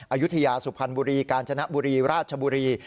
อายุทยาสุพรรณบุรีกาญจนบุรีราชบุรี